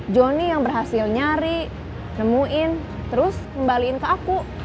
johnny yang berhasil nyari nemuin terus kembaliin ke aku